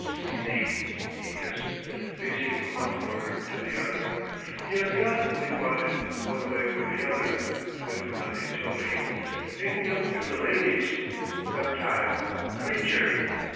"Sneak!" he hissed, pacing from one corner to the other. "He has got what he wanted, one way or the other, the good for nothing toady! Making up to the ladies! Reptile! Creature!"